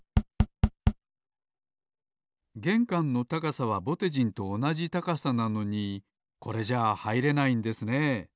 げんかんの高さはぼてじんとおなじ高さなのにこれじゃあはいれないんですね。